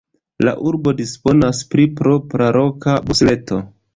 La urbo disponas pri propra loka busreto.